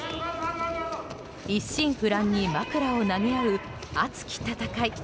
一心不乱に枕を投げ合う熱き戦い。